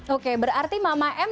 oke berarti mama m